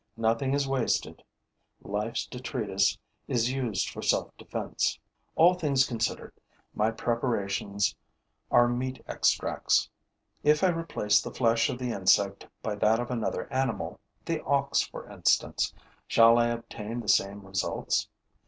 Nothing is wasted; life's detritus is used for self defense. All things considered, my preparations are meat extracts. If I replace the flesh of the insect by that of another animal, the ox, for instance, shall I obtain the same results?